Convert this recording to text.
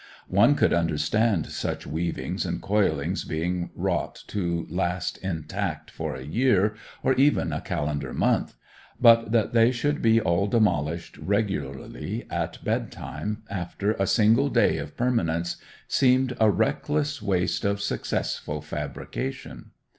One could understand such weavings and coilings being wrought to last intact for a year, or even a calendar month; but that they should be all demolished regularly at bedtime, after a single day of permanence, seemed a reckless waste of successful fabrication.